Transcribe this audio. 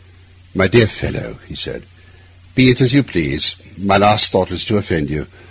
'My dear fellow,' he said, 'be it as you please; my last thought is to offend you.